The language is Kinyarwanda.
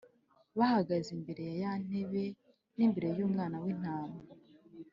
bahagaze imbere ya ya ntebe n’imbere y’Umwana w’Intama,